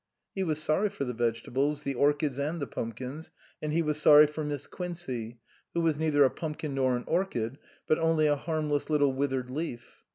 He was sorry for the vege tables, the orchids and the pumpkins ; and he was sorry for Miss Quincey, who was neither a pumpkin nor an orchid, but only a harmless little withered leaf.